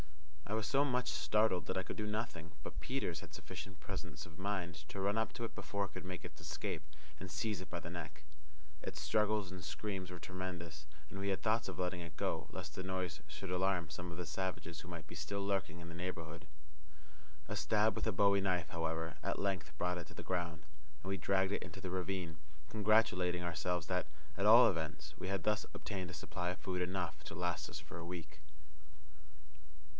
I was so much startled that I could do nothing, but Peters had sufficient presence of mind to run up to it before it could make its escape, and seize it by the neck. Its struggles and screams were tremendous, and we had thoughts of letting it go, lest the noise should alarm some of the savages who might be still lurking in the neighbourhood. A stab with a bowie knife, however, at length brought it to the ground, and we dragged it into the ravine, congratulating ourselves that, at all events, we had thus obtained a supply of food enough to last us for a week.